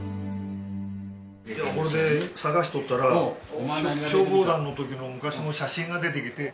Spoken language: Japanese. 探しとったら消防団の時の昔の写真が出てきて。